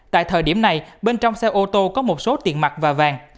tại thời điểm này bên trong xe ô tô có một số tiền mặt và vàng